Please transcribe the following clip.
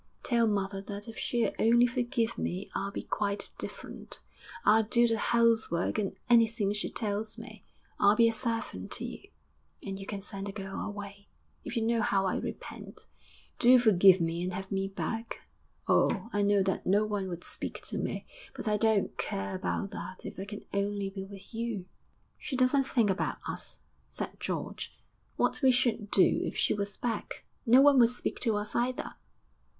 Tell mother that if she'll only forgive me I'll be quite different. I'll do the housework and anything she tells me. I'll be a servant to you, and you can send the girl away. If you knew how I repent! Do forgive me and have me back. Oh, I know that no one would speak to me; but I don't care about that, if I can only be with you!'_ 'She doesn't think about us,' said George 'what we should do if she was back. No one would speak to us either.'